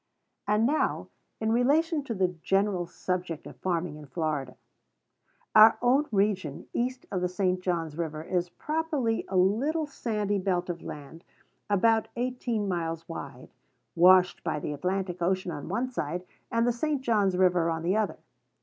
And now in relation to the general subject of farming in Florida. Our own region east of the St. John's River is properly a little sandy belt of land, about eighteen miles wide, washed by the Atlantic Ocean on one side, and the St. John's River on the other.